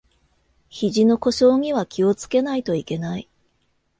ひじの故障には気をつけないといけない